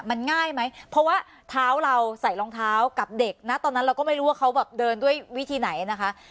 มันง่ายไหมเพราะว่าเท้าเราใส่รองเท้ากับเด็กนะตอนนั้นเราก็ไม่รู้ว่าเขาแบบเดินด้วยวิธีไหนนะคะ